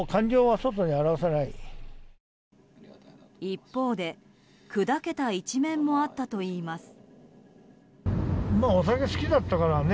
一方で砕けた一面もあったといいます。